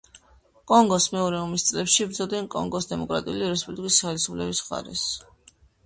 კონგოს მეორე ომის წლებში იბრძოდნენ კონგოს დემოკრატიული რესპუბლიკის ხელისუფლების მხარეს.